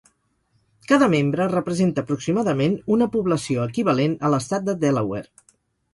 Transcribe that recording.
Cada membre representa aproximadament una població equivalent a l'estat de Delaware.